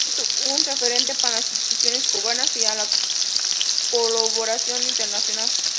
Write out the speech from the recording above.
Es un referente para las instituciones cubanas y la colaboración internacional.